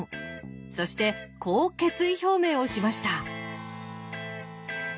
そしてこう決意表明をしました。